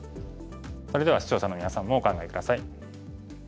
それでは視聴者のみなさんもお考え下さい。